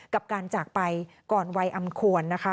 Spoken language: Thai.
กับการจากไปก่อนวัยอำควรนะคะ